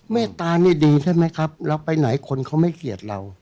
เมตตานี่ดีใช่ไหมครับเราไปไหนคนเขาไม่เกลียดเรา